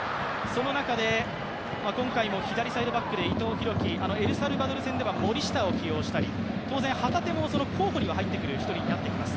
その中、今回左サイドバックで伊藤洋輝、エルサルバドル戦では森下を起用したり、当然旗手も候補に入ってくる一人ではあります。